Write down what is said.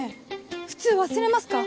普通忘れますか？